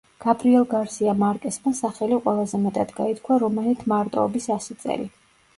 გაბრიელ გარსია მარკესმა სახელი ყველაზე მეტად გაითქვა რომანით „მარტოობის ასი წელი“.